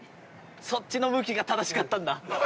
そっちの向きが正しかったんだ。